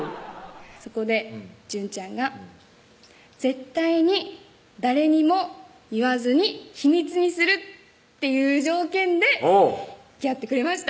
そこで淳ちゃんが絶対に誰にも言わずに秘密にするっていう条件でつきあってくれました